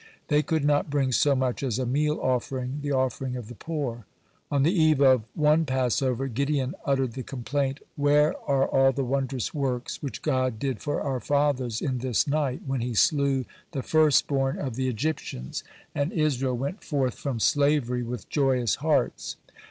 They could not bring so much as a meal offering, the offering of the poor. (95) On the eve of one Passover, Gideon uttered the complaint: "Where are all the wondrous works which God did for our fathers in this night, when he slew the first born of the Egyptians, and Israel went forth from slavery with joyous hearts?"